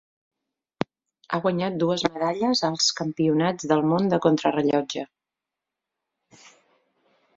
Ha guanyat dues medalles als Campionats del Món de contrarellotge.